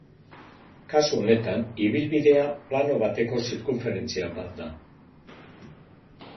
Kasu honetan, ibilbidea plano bateko zirkunferentzia bat da.